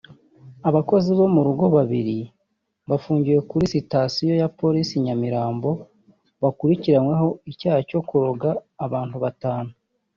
Abakozi bo mu rugo babiri bafungiwe kuri sitasiyo ya Polisi i Nyamirambo bakurikiranweho icyaha cyo kuroga abantu batanu